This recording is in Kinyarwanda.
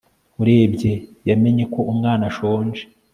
Urebye yamenye ko umwana ashonje